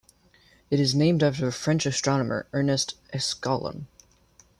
It is named after French astronomer Ernest Esclangon.